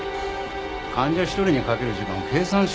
患者一人にかける時間を計算しろよ。